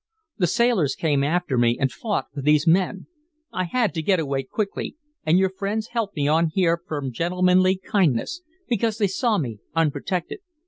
The sailors came after me and fought with these men. I had to get away quickly, and your friends helped me on here from gentlemanly kindness, because they saw me unprotected.